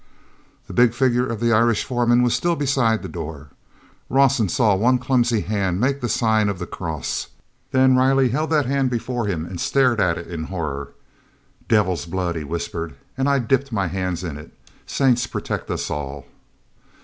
he big figure of the Irish foreman was still beside the door. Rawson saw one clumsy hand make the sign of the Cross; then Riley held that hand before him and stared at it in horror. "Divils' blood," he whispered. "And I dipped my hands in it. Saints protect us all!"